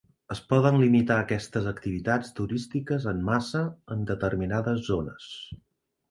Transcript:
Es poden limitar aquestes activitats turístiques en massa en determinades zones.